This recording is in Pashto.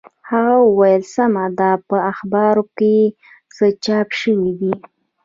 هغه وویل سمه ده په اخبارو کې څه چاپ شوي دي.